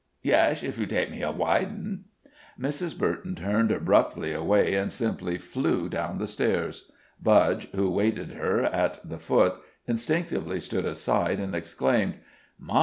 "Yesh, if you'll take me a widin'." Mrs. Burton turned abruptly away, and simply flew down the stairs. Budge, who awaited her at the foot, instinctively stood aside, and exclaimed: "My!